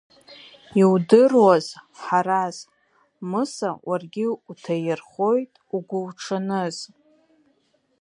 Иудыруаз, Ҳараз, Мыса уаргьы уҭаирхоит, угәуҽаныз!